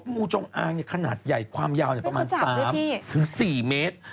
งูจงอางขนาดใหญ่ความยาวประมาณ๓๔เมตร